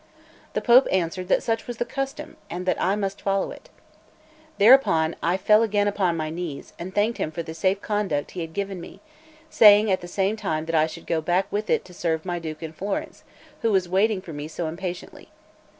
The Pope answered that such was the custom, and that I must follow it. Thereupon I fell again upon my knees, and thanked him for the safe conduct he had given me, saying at the same time that I should go back with it to serve my Duke in Florence, who was waiting for me so impatiently.